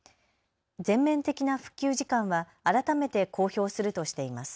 全面的な復旧時間は改めて公表するとしています。